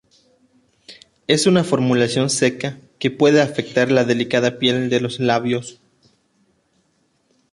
Es una formulación seca que puede afectar la delicada piel de los labios.